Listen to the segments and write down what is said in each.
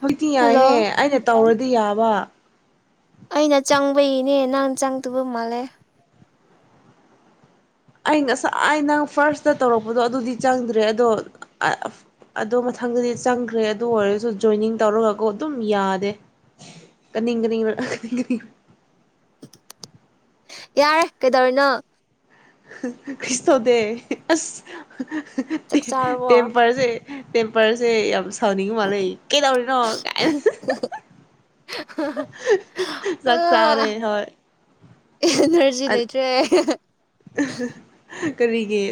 ꯍꯧꯖꯤꯛꯇꯤ ꯌꯥꯏꯍꯦ ꯍꯜꯂꯣ ꯑꯩꯅ ꯇꯧꯔꯗꯤ ꯀꯗꯤ ꯌꯥꯕ ꯑꯩꯅ ꯆꯪꯕꯒꯤꯅꯦ ꯅꯪ ꯆꯪꯗꯕ ꯃꯥꯜꯂꯦ ꯑꯩ ꯉꯁꯥꯏ ꯅꯪ ꯐꯥꯔꯁꯇ ꯇꯧꯔꯛꯄꯗꯣ ꯑꯗꯨꯗꯤ ꯆꯪꯗ꯭ꯔꯦ ꯑꯗꯣ ꯑꯗꯨꯗꯣ ꯃꯊꯪꯗꯗꯤ ꯆꯪꯈ꯭ꯔꯦ ꯑꯗꯨ ꯑꯣꯏꯔꯁꯨ ꯖꯣꯏꯅꯤꯡ ꯇꯧꯔꯒꯀ ꯑꯗꯨꯝ ꯌꯥꯗꯦ ꯀꯅꯤꯡ ꯀꯅꯤꯡ ꯌꯥꯔꯦ ꯀꯩꯗꯧꯔꯤꯅꯣ ꯀ꯭ꯔꯤꯁ ꯇꯧꯗꯦ ꯑꯁ ꯆꯥꯛ ꯆꯥꯔꯕꯣ ꯇꯦꯝꯄꯔꯁꯦ ꯇꯦꯝꯄꯔꯁꯦ ꯌꯥꯝ ꯁꯥꯎꯅꯤꯡꯉ ꯃꯥꯜꯂ ꯀꯦꯗꯧꯔꯤꯅꯣ ꯀꯥꯏꯅ ꯆꯛ ꯑꯥ ꯆꯥꯔꯦ ꯍꯣꯏ ꯑꯦꯅꯔꯖꯤ ꯑ ꯂꯩꯇ꯭ꯔꯦ ꯀꯔꯤꯒꯤ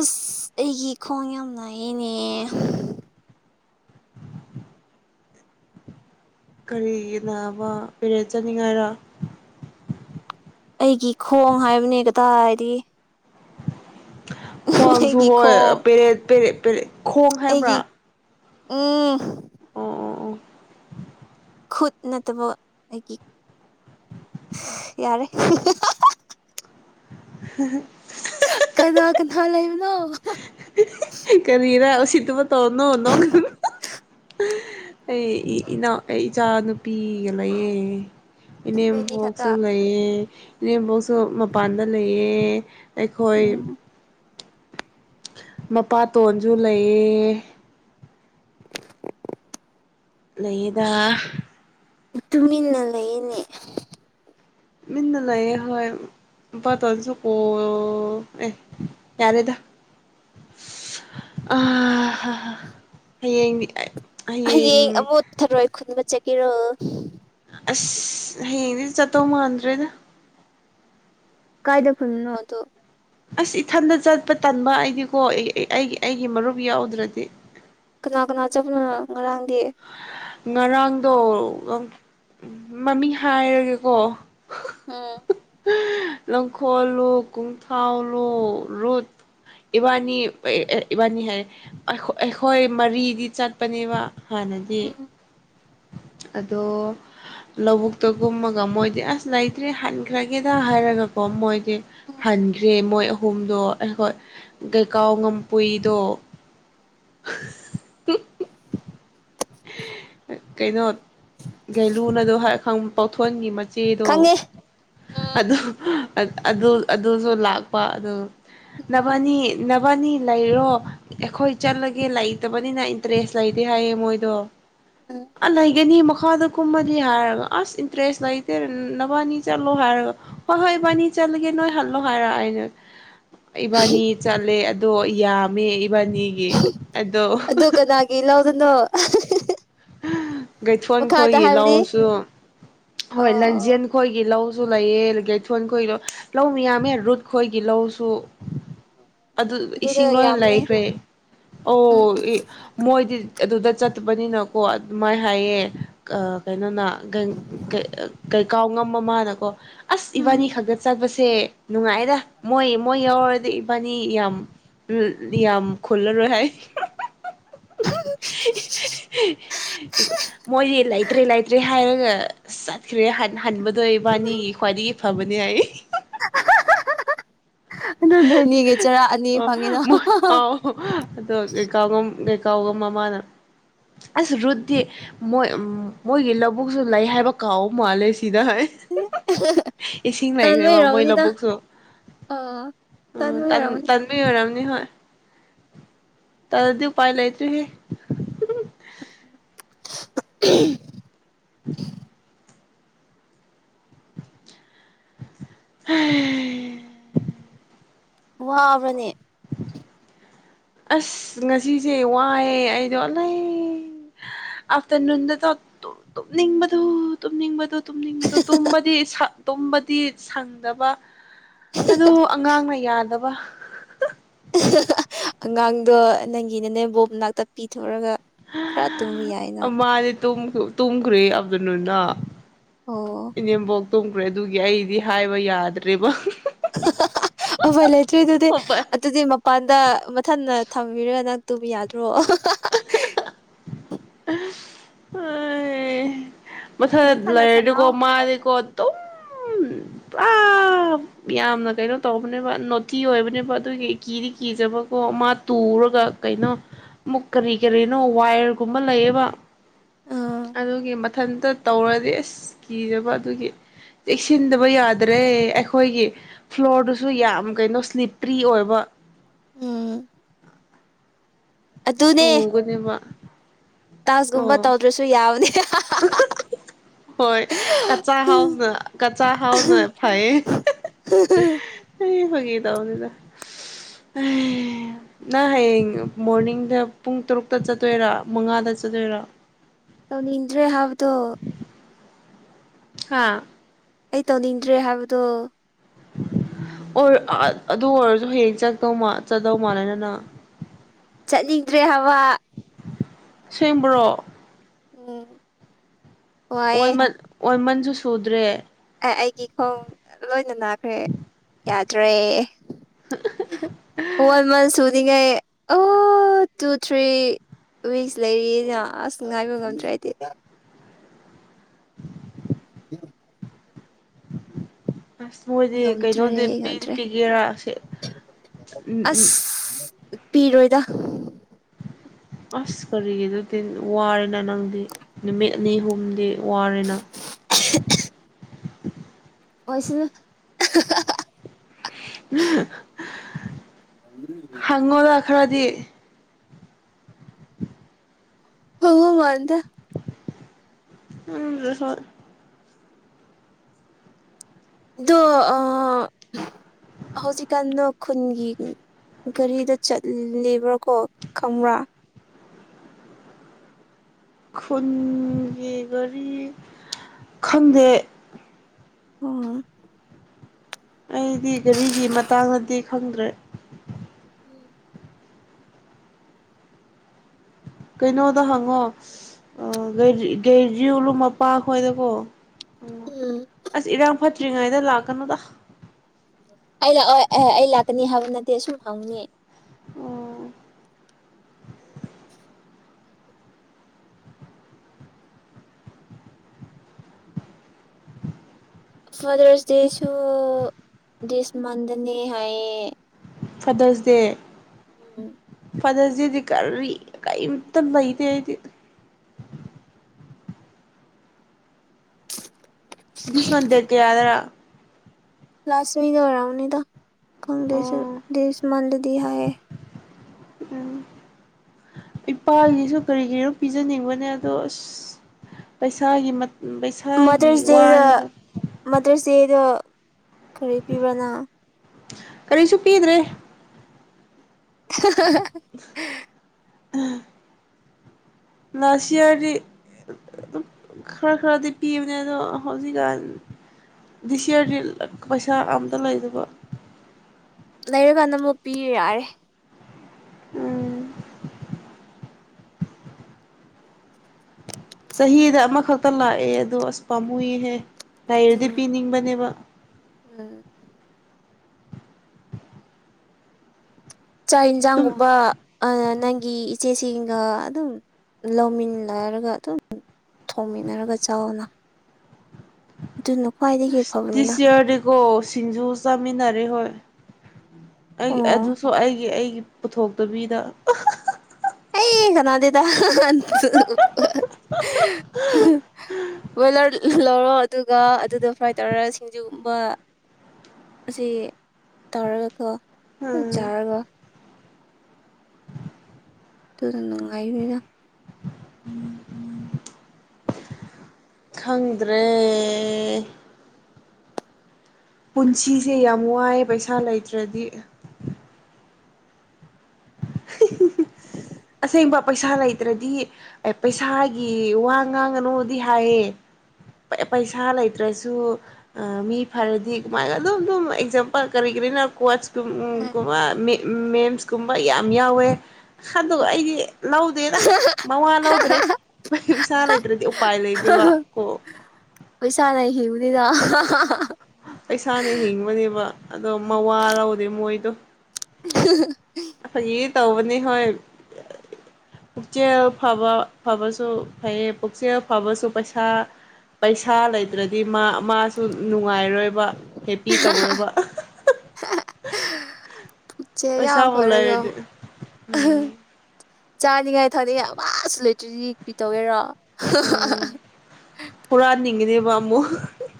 ꯑꯁ ꯑꯩꯒꯤ ꯈꯣꯡ ꯌꯥꯝ ꯅꯥꯏꯌꯦꯅꯦ ꯀꯔꯤꯒꯤꯅꯕ ꯄꯦꯔꯦꯠ ꯆꯥꯅꯤꯡꯉꯥꯏꯔ ꯑꯩꯒꯤ ꯈꯣꯡ ꯍꯥꯏꯕꯅꯦ ꯇꯥꯔꯦ ꯈ꯭ꯋꯥꯡꯁꯨ ꯍꯣꯏ ꯈꯣꯡ ꯄꯦꯔꯦꯠ ꯄꯦꯔꯦ [unintelligible] ꯈꯣꯡ ꯍꯥꯏꯕ꯭ꯔꯥ ꯢ ꯑꯣ ꯑꯣ ꯑꯣ ꯈꯨꯠ ꯅꯠꯇꯕ ꯑꯩꯒꯤ ꯌꯥꯔꯦ ꯍꯝ ꯀꯅꯥ ꯀꯅꯥ ꯂꯩꯕꯅꯣ ꯀꯔꯤꯔ ꯎꯁꯤꯠꯇꯃ ꯇꯧꯔꯅꯣ ꯅ ꯀꯅꯣ ꯑꯩ ꯏꯅꯥꯎ ꯑꯩ ꯏꯆꯥ ꯅꯨꯄꯤꯒ ꯂꯩꯌꯦꯦ ꯏꯅꯦ ꯅꯣꯏꯅꯤ ꯈꯛꯇ ꯣꯛꯁ ꯂꯩꯌꯦ ꯏꯣꯁꯨ ꯃꯄꯥꯟꯗ ꯂꯩꯌꯦ ꯑꯩꯈꯣꯏ ꯎꯝ ꯃꯄꯥꯇꯣꯟꯁꯨ ꯂꯩꯌꯦ ꯂꯩꯗ ꯇꯨꯃꯤꯟꯅꯂ ꯌꯦꯅꯦ ꯃꯤꯟꯅ ꯂꯩꯌꯦꯦ ꯍꯣꯏ ꯇꯣꯟꯁꯨ ꯀꯣ ꯑꯦ ꯌꯥꯔꯦꯗ ꯑ ꯍꯌꯦꯡꯗꯤ ꯍꯌꯦꯡ ꯃꯨꯠꯊꯔꯣꯏ ꯈꯨꯟꯕ ꯆꯠ ꯀꯔꯣ ꯑꯁ ꯍꯌꯦꯗꯤ ꯆꯇꯣꯃꯥꯟꯗ꯭ꯔꯦꯗ ꯀꯥꯏꯗ ꯈꯨꯜ ꯅꯠꯇꯣ ꯑꯁ ꯏꯊꯟꯗ ꯆꯠꯄ ꯇꯟꯕ ꯑꯩꯗꯤꯀꯣ ꯑꯩꯒꯤ ꯑꯩꯒꯤ ꯃꯔꯨꯞ ꯌꯥꯎꯗ꯭ꯔꯗꯤ ꯀꯅꯥ ꯀꯅꯥ ꯆꯞꯅꯣ ꯉꯔꯥꯡꯒꯤ ꯉꯔꯥꯡꯗꯣ ꯃꯃꯤꯡ ꯍꯥꯏꯔꯒꯦꯀꯣ ꯍꯝ ꯂꯪꯈꯣꯜꯂꯨ ꯀꯣꯡꯊꯥꯎ ꯂꯨ ꯔꯨꯠ ꯏꯕꯥꯅꯤ ꯏꯕꯥꯅꯤ ꯍꯥꯏ ꯑꯩꯈꯣꯏ ꯃꯔꯤꯗꯤ ꯆꯠꯄꯅꯦꯕ ꯍꯅꯗꯤ ꯎꯝ ꯑꯗꯣ ꯂꯧꯕꯨꯛꯇꯒꯨꯝꯃꯒ ꯃꯣꯏꯗꯤ ꯑꯁ ꯂꯩꯇ꯭ꯦ ꯍꯟꯈ꯭ꯔꯒꯦꯗ ꯍꯥꯏꯔꯒꯀꯣ ꯃꯣꯏ ꯎꯝ ꯍꯟꯈ꯭ꯔꯦ ꯃꯣꯏ ꯑꯍꯨꯝꯗꯣ ꯑꯩꯈꯣꯏ ꯀꯩꯀꯥꯎ ꯉꯝꯄꯨꯏꯗꯣ [inaudible] ꯀꯩꯅꯣ ꯒꯦꯂꯨꯅꯗꯣ ꯄꯥꯎꯊꯣꯟꯒꯤ ꯆꯦꯗꯣ ꯈꯪꯉꯦ ꯎꯝ ꯑꯗꯣ ꯑꯗꯨꯁꯨ ꯂꯥꯛꯄ ꯑꯗꯨ ꯎꯝ ꯅꯕꯥꯅꯤ ꯐꯅꯤ ꯂꯩꯔꯣ ꯑꯩꯈꯣꯏ ꯆꯠꯂꯒꯦ ꯂꯩꯇꯕꯅꯤꯅ ꯏꯟꯇꯔꯦꯁ ꯂꯩꯇꯦ ꯍꯥꯏꯌꯦ ꯃꯣꯏ ꯗꯣ ꯎꯝ ꯑꯂ ꯍꯒꯦꯅꯤ ꯃꯈ ꯈꯥꯗ ꯀꯨꯝꯃꯗꯤ ꯍꯥꯏꯔꯒ ꯑꯁ ꯏꯟꯇꯔꯦꯁ ꯂꯩꯇꯦ ꯅꯕꯥꯅꯤ ꯆꯠꯂꯣ ꯍꯥꯏꯔꯒ ꯍꯣꯏ ꯍꯣꯏ ꯏꯕꯥꯅꯤ ꯆꯠꯂꯒꯦ ꯅꯣꯏ ꯍꯜꯂꯣ ꯍꯥꯏꯔ ꯑꯩꯅꯦ ꯏꯕꯥꯅꯤ ꯆꯂꯦ ꯣ ꯌꯥ ꯃ ꯑꯗꯨ ꯀꯅꯥꯒꯤ ꯂꯥꯎꯗꯅꯣ ꯑ ꯒꯩꯊꯣꯟ ꯈꯣꯏꯒꯤ ꯂꯧꯁꯨ ꯍꯣꯏ ꯑꯣ ꯂꯟꯖꯦꯜ ꯈꯣꯏꯒꯤ ꯂꯧ ꯁꯨ ꯂꯩꯌꯦ ꯑꯒꯩꯊꯣꯟ ꯈꯣꯏꯗꯣ ꯂꯧ ꯃꯌꯥꯝꯃꯦ ꯔꯨꯠ ꯈꯣꯏꯒꯤ ꯂꯧꯁꯨ ꯑꯣ ꯑꯗꯨ ꯑꯗꯨꯗꯣ ꯏꯁꯤꯡ ꯂꯣꯏ ꯌꯥꯝꯕꯅꯦ ꯂꯩꯈ꯭ꯔꯦ ꯑꯣ ꯎꯝ ꯃꯣꯏꯗꯤ ꯑꯗꯨꯗ ꯆꯠꯄꯅꯤꯅ ꯀꯣ ꯑꯗꯨꯃꯥꯏꯅ ꯍꯥꯏꯌꯦ ꯀꯩꯅꯣꯅ ꯀꯩ ꯀꯩ ꯀꯩ ꯀꯥꯎ ꯉꯝꯕ ꯃꯥꯅꯀꯣ ꯑꯁ ꯎꯝ ꯏꯕꯥꯅꯤ ꯈꯛꯇ ꯆꯠꯄꯁꯦ ꯁꯤ ꯅꯨꯡꯉꯥꯏꯗ ꯃꯣꯏ ꯃꯣꯏ ꯌꯥꯎꯔꯗꯤ ꯏꯕꯥꯅꯤ ꯌꯥꯝ ꯌꯥꯝ ꯈꯨꯜꯂꯔ‌ꯣꯏ ꯍꯥꯏ ꯃꯣꯏꯗꯤ ꯂꯩꯇ꯭ꯔꯦ ꯂꯩꯇ꯭ꯔꯦ ꯍꯥꯏꯔꯒ ꯆꯠꯈ꯭ꯔꯦ ꯍꯟꯕꯗꯣ ꯏꯕꯥꯅꯤꯒꯤ ꯈ꯭ꯋꯥꯏꯗꯒꯤ ꯐꯥꯕꯅꯤ ꯍꯥꯏꯌ‌ꯦ [unintelligible] ꯑꯗ‌ꯣ ꯅꯣꯏꯅꯤꯒꯤ ꯆꯥꯔꯥ ꯑꯅꯤ ꯑꯣ ꯐꯪꯉꯤꯅ ꯃꯣꯏ ꯀꯥꯎꯒ ꯃꯃꯥꯅ ꯑꯁ ꯔꯨꯠꯗꯤ ꯃꯣꯏ ꯃꯣꯏꯒꯤ ꯂꯧꯕꯨꯛꯁꯨ ꯂꯩ ꯍꯥꯏꯕ ꯀꯥꯎꯕ ꯃꯥꯜꯂꯦ ꯁꯤꯗ ꯍꯣꯏ ꯏꯁꯤꯡ ꯇꯟꯕꯩ ꯂꯩꯥꯏꯈ꯭ꯔꯦꯕ ꯃꯣꯏ ꯑꯣꯏꯔꯝꯒꯅꯤꯗ ꯂꯧꯕꯨꯛꯁꯨ ꯑꯥ ꯎꯝ ꯇꯟꯕꯩ ꯇꯟ ꯑꯣꯏꯔꯝꯒꯅꯤ ꯇꯟꯕꯩ ꯑꯣꯏꯔ ꯅꯤꯍꯣꯏ ꯇꯜꯂꯗꯤ ꯎꯄꯥꯏ ꯂꯩꯇꯔ‌ꯦꯍꯦ [unintelligible] [unintelligible] ꯍꯩꯏ ꯋꯥꯕ꯭ꯔꯅꯦ ꯑꯁ ꯉꯁꯤꯁꯦ ꯋꯥꯏꯑꯦ ꯑꯩꯗꯣ ꯂꯩ ꯑꯥꯐꯇꯔꯅꯨꯟꯗ ꯇꯨꯝꯅꯤꯡꯕꯗꯨ ꯇꯨꯝꯅꯤꯡꯕꯗꯨ ꯇꯨꯝꯅꯤꯡꯕꯗꯣ ꯇꯨꯝꯕꯗꯤ ꯇꯨꯝꯕꯗꯤ ꯁꯪꯗꯕ ꯑꯗꯨ ꯑꯉꯥꯡꯅ ꯌꯥꯗꯕ ꯑꯉꯥꯡꯗꯣ ꯅꯪꯒꯤ ꯅꯅ‌ꯦꯝꯕꯣꯛ ꯃꯅꯥꯛꯇ ꯄꯤꯊꯣꯛꯔꯒ ꯈꯔ ꯇꯨꯝꯃꯨ ꯌꯥꯏꯅ ꯇꯨꯝ ꯇꯨꯝꯈ꯭ꯔꯦ ꯑꯕꯇꯔꯅꯨꯟꯗ ꯑꯣ ꯏꯅꯦꯝꯕ‌ꯣꯛ ꯇꯨꯝꯈ꯭ꯔꯦ ꯑꯗꯨꯒꯤ ꯑꯩꯗꯤ ꯍꯥꯏꯕ ꯌꯥꯗ꯭ꯔꯦꯕ ꯎꯄꯥꯏ ꯂꯩꯇ꯭ꯔ‌ꯦ ꯑꯗꯨꯗꯤ ꯃꯄꯥꯟ ꯑꯗꯨꯗꯤ ꯃꯄꯥꯟꯗ ꯃꯊꯟꯗ ꯊꯝꯕꯤꯔꯒ ꯅꯪ ꯇꯨꯝꯕ ꯌꯥꯗ꯭ꯔꯣ ꯑ [unintelligible] ꯃꯊꯟꯗ ꯅꯊꯟꯅ ꯂꯥꯏꯔꯗꯤꯀꯣ ꯁꯥꯟꯅꯧ ꯃꯥꯗꯤꯀ‌ꯣ ꯑꯗꯨꯝ ꯄꯨꯔꯥ ꯌꯥꯝꯅ ꯀꯩꯅꯣ ꯇꯧꯕꯅꯦꯕ ꯅꯣꯇꯤ ꯑꯣꯏꯕꯅꯦꯕ ꯑꯗꯨꯒꯤ ꯀꯤꯗꯤ ꯀꯤꯖꯕꯀꯣ ꯃꯥ ꯇꯨꯔꯒ ꯀꯩꯅꯣ ꯑꯃꯨꯛ ꯀꯔꯤ ꯀꯔꯤꯅꯣ ꯋꯥꯏꯔ ꯀꯨꯝꯍꯜ ꯂꯩꯌꯦꯕ ꯑꯥ ꯑꯗꯨꯗꯦ ꯃ ꯃꯊꯟꯇ ꯇꯧꯔꯗꯤ ꯑꯁ ꯀꯤꯖꯕ ꯑꯗꯨꯒꯤ ꯆꯦꯛꯁꯤꯟꯗꯕ ꯌꯥꯗ꯭ꯔꯦ ꯑꯩꯈꯣꯏꯒꯤ ꯐ꯭ꯂꯣꯔꯗꯨꯁꯨ ꯌꯥꯝ ꯀꯩꯅꯣ ꯁ꯭ꯂꯤꯞꯄ꯭ꯔꯤ ꯑꯣꯏꯕ ꯑ ꯇꯨꯒꯅꯦ ꯃꯥ [inaudible] [inaudible] ꯇꯥꯁꯒꯨꯝꯕ ꯇꯧꯗ꯭ꯔꯁꯨ ꯌꯥꯎꯗꯤ ꯍꯣꯏ ꯀꯆꯥ ꯍꯥꯎꯁꯅ ꯀꯆꯥ ꯍꯥꯎꯁꯅ ꯐꯩꯌꯦ ꯇꯗ ꯅꯪ ꯍꯌꯦꯡ ꯃꯣꯔꯅꯤꯡꯗ ꯄꯨꯡ ꯇꯔꯨꯛꯇ ꯆꯠꯇꯣꯏꯔꯥ ꯃꯉꯥꯗ ꯆꯠꯇꯣꯏꯔꯥ ꯇꯅꯤ ꯏꯗ꯭ꯔꯦ ꯍꯥꯏꯥꯎꯗꯨꯣ ꯍꯥꯥ ꯑꯩ ꯇꯧꯅꯤꯡꯗ꯭ꯔꯦ ꯍꯥꯏꯕꯗꯣ ꯑꯗꯨ ꯑꯣꯏꯔꯁꯨ ꯍꯌꯦꯡ ꯆꯠꯇꯧ ꯆꯗꯧ ꯃꯥꯥꯟꯅꯅ ꯆꯠꯅꯤꯡꯗ꯭ꯔꯦ ꯍꯥꯕ ꯁꯕ꯭ꯔꯣ ꯎꯝ ꯑꯣꯜꯃꯜ ꯑꯣꯏꯃꯟꯁꯨ ꯁꯨꯗ꯭ꯔꯦ ꯑꯦ ꯑꯩꯒꯤ ꯈꯣꯡ ꯂꯣꯏꯅ ꯅꯥꯈ꯭ꯔꯦ ꯌꯥ ꯇ꯭ꯔꯦ ꯋꯥꯟ ꯃꯟ ꯁꯗꯤꯉꯦ ꯑꯣ ꯇꯨ ꯊ꯭ꯔꯤ ꯋꯤꯛꯁ ꯂꯩꯔꯤꯅ ꯑꯁ ꯉꯥꯏꯕ ꯉꯝꯗ꯭ꯔꯦ ꯍꯥꯏꯗꯤ ꯑꯁ ꯃꯣꯏꯗꯤ ꯉꯝꯗ꯭ꯔꯦ ꯀꯩꯅꯣꯗꯤ ꯄꯤꯗꯤ ꯉꯝꯗ꯭ꯔꯦ ꯄꯤꯒꯦꯔꯥꯁꯦ ꯑꯁ ꯎ ꯄꯤꯔꯣꯏꯗ ꯑꯁ ꯀꯔꯤꯒꯤ ꯑꯗꯨꯗꯤ ꯋꯥꯔꯦꯅ ꯅꯪꯗꯤ ꯅꯨꯃꯤꯠ ꯑꯅꯤ ꯑꯍꯨꯝꯗꯤ ꯋꯥꯔꯦꯅ ꯑꯣꯏ ꯁꯅꯨ ꯍꯥꯉꯣꯔ ꯈꯔꯗꯤ ꯍꯉ ꯃꯥꯗ ꯎꯝ ꯑꯗꯣ ꯍꯧꯖꯤꯛꯀꯥꯟꯗ ꯈꯨꯟꯒꯤ ꯒꯥꯔꯤꯗ ꯆꯠꯂꯤꯕ꯭ꯔꯥꯀꯣ ꯈ꯭ꯔꯥ ꯈꯨꯟꯒꯤ ꯒꯥꯔꯤ ꯈꯪꯗꯦ ꯍꯝ ꯑꯩꯗꯤ ꯒꯥꯔꯤꯒꯤ ꯃꯇꯥꯡꯗꯗꯤ ꯈꯪꯗ꯭ꯔꯦ ꯎꯝ ꯀꯩꯅꯣꯗ ꯍꯪꯉꯣ ꯒꯩꯔꯤꯂꯨ ꯃꯄꯥꯈꯣꯏꯗꯀꯣ ꯎ ꯎꯝ ꯑꯁ ꯏꯔꯥꯡ ꯐꯠ ꯁꯇ꯭ꯔꯤꯉꯩꯗ ꯂꯥꯛꯀꯅꯨꯗ ꯑꯩ ꯂꯥꯛꯑꯣ ꯑꯦꯍ ꯑꯩ ꯂꯥꯛꯀꯅꯤ ꯍꯥꯏꯕ ꯅꯠꯇꯦ ꯁꯨꯝ ꯍꯪꯕꯅꯤ ꯎꯝ ꯐꯥꯗꯔꯁ ꯗꯦꯁꯨ ꯗꯤꯁ ꯃꯟꯗꯅꯤ ꯍꯥꯏꯌꯦ ꯐꯥꯗꯔꯁ ꯗꯦ ꯎꯝ ꯐꯗꯔꯁꯗꯦꯗꯤ ꯀꯔꯤ ꯀꯩꯇ ꯃꯩꯗ ꯑꯗꯤ ꯗꯤꯁ ꯃꯟ ꯗꯦꯠ ꯀꯌꯥꯗꯔꯥ ꯂꯥꯁꯃꯤꯗꯔ ꯎꯔꯅꯤꯗ ꯈꯪꯗꯦ ꯑꯩꯁꯨ ꯑꯣ ꯗꯤꯁ ꯃꯟꯗꯗꯤ ꯍꯥꯏꯌꯦ ꯎꯝ ꯏꯄꯥꯒꯤꯁꯨ ꯀꯔꯤꯒꯤꯅꯣ ꯄꯤꯖꯅꯤꯡꯕꯅꯦ ꯑꯗꯣ ꯑꯁ ꯄꯩꯁꯥꯒꯤ ꯄꯩꯁꯥꯒꯤ ꯃꯗꯔꯁ ꯗꯦꯗ ꯋꯥꯅꯦꯕ ꯃꯗꯔꯁ ꯗꯦꯗꯣ ꯀꯔꯤ ꯄꯤꯕ꯭ꯔ ꯅ ꯀꯔꯤꯁꯨ ꯄꯤꯗ꯭ꯔꯦ [unintelligible] ꯂꯥꯁꯏꯌꯔꯗꯤ ꯑꯗꯨꯝ ꯈꯔ ꯈꯔꯗꯤ ꯄꯤꯕꯅꯦ ꯑꯗꯣ ꯍꯧꯖꯤꯛꯀꯥꯟ ꯗꯤꯁ ꯏꯌꯔꯗꯤ ꯄꯩꯁꯥ ꯑꯝꯇ ꯂꯩꯗꯕ ꯂꯩꯔꯀꯥꯟꯗ ꯑꯃꯨꯛ ꯄꯤꯌꯨ ꯌꯥꯔꯦ ꯎꯝ ꯆꯍꯤꯗ ꯑꯃꯈꯛꯇ ꯂꯥꯛꯑꯦ ꯑꯗꯣ ꯑꯁ ꯄꯥꯝꯃꯨꯏꯍꯦ ꯂꯩꯔꯗꯤ ꯎꯝ ꯄꯤꯅꯤꯡꯕꯅꯦꯕ ꯎꯝ ꯆꯥꯛ ꯑꯗꯨꯝ ꯌꯦꯟꯁꯥꯡꯒꯨꯝꯕ ꯒꯤ ꯏꯆꯦꯁꯤꯡꯒ ꯑꯗꯨꯝ ꯂꯧꯃꯤꯟꯅꯟꯅꯔꯒ ꯑꯗꯨꯝ ꯊꯣꯡꯃꯤꯟꯅꯔꯒ ꯆꯥꯎꯅ ꯑꯗꯨꯅ ꯈ꯭ꯋꯥꯏꯗꯒꯤ ꯐꯕꯅꯤꯅ ꯗꯤꯁ ꯏꯌꯔꯗꯤꯀꯣ ꯁꯤꯡꯖꯨ ꯆꯥꯃꯤꯟꯅꯔꯦ ꯍꯣꯏ ꯑꯩꯒꯤ ꯑꯣ ꯑꯗꯨꯁꯨꯣ ꯑꯩꯒꯤ ꯑꯩꯒꯤ ꯄꯨꯊꯣꯛꯇꯕꯤꯗ ꯑꯩ ꯀꯅꯥꯗꯦꯗ ꯕꯣꯏꯂꯔ ꯂꯧꯔꯣ ꯑꯗꯨꯒ ꯑꯗꯨꯗ ꯐ꯭ꯔꯥꯏ ꯇꯧꯔꯒ ꯁꯤꯡꯖꯨꯒꯨꯝꯕ ꯑꯁꯤ ꯇꯧꯔꯒ ꯊꯣ ꯎꯝ ꯆꯥꯔꯒ ꯇꯨꯗ ꯅꯨꯡꯉꯥꯏꯅꯤꯗ [unintelligible] ꯈꯪꯗ꯭ꯔꯦ ꯄꯨꯟꯁꯤꯁꯦ ꯌꯥꯝ ꯋꯥꯏꯑꯦ ꯄꯩꯁꯥ ꯂꯩꯇ꯭ꯔꯗꯤ ꯑꯁꯦꯡꯕ ꯄꯩꯁꯥ ꯂꯩꯇ꯭ꯔꯗꯤ ꯄꯩꯁꯥꯒꯤ ꯋꯥ ꯉꯥꯡꯒꯅꯨꯗꯤ ꯍꯥꯏꯌꯦ ꯄꯩꯁꯥ ꯂꯩꯇ꯭ꯔꯁꯨ ꯃꯤ ꯐꯔꯗꯤ ꯀꯃꯥꯏꯅ ꯑꯗꯨꯝ ꯑꯗꯨꯝ ꯑꯦꯛꯖꯥꯝꯄꯜ ꯀꯔꯤ ꯀꯔꯤꯅ ꯀꯣꯆ [unintelligible] ꯨꯀꯨꯝꯕ ꯌꯥꯝ ꯌꯥꯎꯋꯦ ꯑꯗꯣ ꯑꯩꯗꯤ ꯂꯧꯗꯦꯗ ꯃꯥꯋꯥ ꯂꯧꯗ꯭ꯔꯦ ꯁꯥ ꯂꯩꯥꯏꯗ꯭ꯔ ꯄꯩꯁꯥꯅ ꯍ ꯑꯗꯨꯗ ꯄꯩꯁꯥꯅ ꯍꯤꯡꯕꯅꯦꯕ ꯑꯗꯣ ꯃꯋꯥꯔꯎꯗꯦ ꯃꯣꯏꯗꯣ ꯑꯩꯒꯤ ꯇꯧꯕꯅꯤ ꯍꯣꯏ ꯄꯨꯛꯆꯦꯜ ꯐꯕ ꯐꯕꯁꯨ ꯐꯩꯌꯦ ꯄꯨꯛꯆꯦꯜ ꯐꯕꯁꯨ ꯄꯩꯁꯥ ꯄꯩꯁꯥ ꯂꯩꯇ꯭ꯔꯗꯤ ꯃꯥꯁꯨ ꯅꯨꯡꯉꯥꯏꯔꯣꯏꯕ ꯍꯦꯞꯄꯤ ꯇꯧꯔꯣꯏꯕ ꯄꯆꯦ ꯌꯥ ꯄꯩꯁꯥꯕꯨ ꯐꯔꯒ ꯂꯩꯔꯗꯤ ꯎꯝ ꯆꯥꯅꯤꯡꯉꯥꯏ ꯊꯥꯗꯩ ꯑꯃꯥꯁꯨ ꯂꯩꯇ꯭ꯔꯤꯛ ꯀꯔꯤ ꯇꯧꯋꯦꯔꯣ ꯑꯝ ꯄꯨꯔꯥ ꯅꯤꯡ ꯀꯗꯤ ꯃꯃꯣ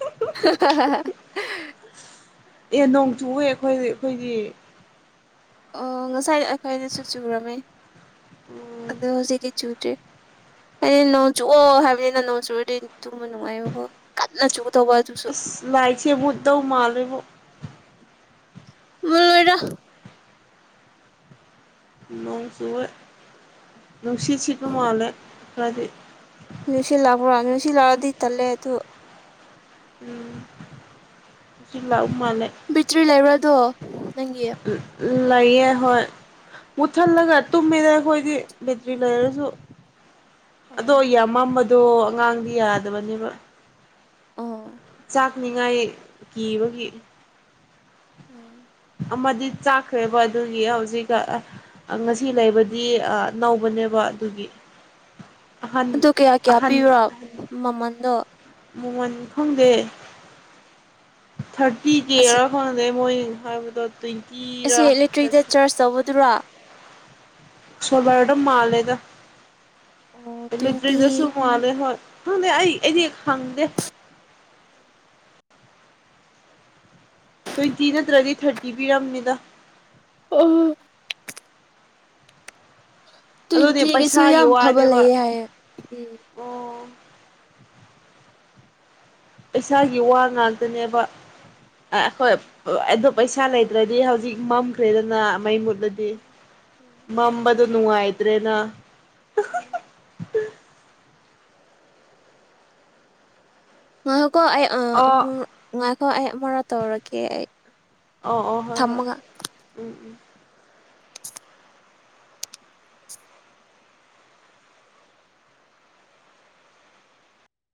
[unintelligible] ꯑꯦ ꯅꯣ ꯇꯨꯏ ꯑꯩꯈꯣꯏ ꯑꯩꯈꯣꯏꯒꯤ ꯑꯣ ꯉꯁꯥꯏ ꯑꯩꯈꯣꯏꯗꯁꯨ ꯆꯨꯔꯝꯃꯤ ꯎꯝ ꯑꯗꯣ ꯍꯧꯖꯤ ꯆꯨꯗ꯭ꯔꯦ ꯑꯩꯅ ꯅꯣꯡ ꯆꯨꯞꯑꯣ ꯍꯥꯏꯕꯅꯤꯅ ꯅꯣꯡ ꯆꯨꯔꯗꯤ ꯇꯨꯝꯕ ꯅꯨꯡꯉꯥꯏꯑꯕꯀꯣ ꯀꯟꯅ ꯆ ꯃꯩꯁꯦꯃꯨꯠꯇꯧ ꯃꯥꯜꯂꯤꯕꯨ ꯃꯨꯠꯂꯣꯏꯗ ꯅꯣꯡ ꯆꯨꯑꯦ ꯅꯨꯡꯁꯤꯠ ꯁꯤꯠꯄ ꯃꯥꯜꯂꯦ ꯈꯔꯗꯤ ꯁꯤꯠ ꯂꯗꯤ ꯆꯂꯦꯗꯨ ꯎꯝꯖꯤꯂꯥꯎ ꯕꯦꯇ꯭ꯔꯤ ꯂꯩꯔ ꯑꯗꯣ ꯅꯪꯒꯤ ꯑꯣ ꯂꯩꯥꯏꯌꯦ ꯍꯣꯏ ꯃꯨꯠꯊꯜꯂꯒ ꯇꯨꯝꯃꯤꯗ ꯑꯩꯈꯣꯏꯗꯤ ꯕꯦꯇ꯭ꯔꯤꯂꯩꯔꯁꯨ ꯑꯗꯣ ꯌꯥꯝꯃꯃ ꯑꯗꯣ ꯑꯉꯥꯡꯗꯤ ꯌꯥꯗꯕꯅꯦꯕ ꯑꯣ ꯆꯥꯛꯅꯤꯉꯥꯏ ꯀꯤꯕꯒꯤ ꯑꯣ ꯑꯃꯗꯤ ꯆꯥꯛꯈ꯭ꯔꯦꯕ ꯑꯗꯨꯒꯤ ꯍꯧꯖꯤꯛꯀ ꯉꯁꯤ ꯂꯩꯕꯗꯤ ꯅꯧꯕꯅꯦꯕ ꯑꯗꯨꯒꯤ ꯑꯍꯟ ꯑꯗꯨ ꯀꯌꯥ ꯀꯌꯥ ꯑꯍꯟ ꯄꯤꯕꯔꯣ ꯃꯃꯟꯗꯣ ꯃꯃꯣꯟ ꯈꯪꯗꯦ ꯊꯔꯇ ꯀꯦ ꯑꯁꯤ ꯈꯗ ꯃꯣꯏ ꯍꯥꯏꯕ ꯑꯁꯤ ꯕꯦꯇ꯭ꯔꯤꯗ ꯆꯥꯔꯖ ꯇꯧꯕꯗꯨꯔꯥ ꯁꯣꯂꯗ ꯃꯥꯂꯦꯗ ꯇ꯭ꯋꯦꯟꯇꯤ ꯑꯂꯦꯇꯔꯤꯛꯇꯁꯨ ꯃꯥꯟꯂꯦ ꯍꯣꯏ ꯍꯪꯗ ꯑꯩ ꯑꯩꯗꯤ ꯈꯪꯗ ꯇ꯭ꯋꯦꯟꯇꯤ ꯅꯠꯇ꯭ꯔꯗꯤ ꯊꯥꯔꯇꯤ ꯄꯤꯔꯝꯅꯤꯗ ꯑꯣ ꯑꯗꯨꯅꯦ ꯇ꯭ꯋꯦꯟꯇꯤꯒꯤꯁꯨ ꯄꯩꯁꯥꯒꯤ ꯌꯥꯝ ꯐꯕ ꯋꯥꯅꯦꯕ ꯂꯩꯌꯦ ꯍꯥꯏꯌꯦꯦ ꯎꯝ ꯑꯣ ꯄꯩꯁꯥꯒꯤ ꯋꯥ ꯉꯥꯛꯇꯅꯦꯕ ꯑꯩꯈꯣꯏ ꯎꯝ ꯑꯗꯨ ꯄꯩꯁꯥ ꯂꯩꯇ꯭ꯔꯗꯤ ꯍꯧꯖꯤꯛ ꯃꯝꯈ꯭ꯔꯦꯗꯅ ꯃꯩ ꯃꯨꯠ ꯗꯤ ꯎꯝ ꯃꯝꯕꯗꯨ ꯅꯨꯡꯉꯥꯏꯇ꯭ꯔꯦꯅ ꯎꯝ ꯃꯣꯏ ꯀꯣ ꯑꯣ ꯑ ꯍꯣꯏ ꯑꯩ ꯑꯃꯥ ꯇꯧꯔꯒꯦ ꯑꯩ ꯑꯣ ꯑꯣ ꯍꯣꯏ ꯍꯣꯏ ꯊꯝꯃꯒ ꯎꯝ ꯎꯝ